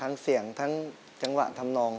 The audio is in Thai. เสียงทั้งจังหวะทำนอง